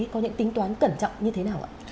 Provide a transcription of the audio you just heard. có những tính toán cẩn trọng như thế nào ạ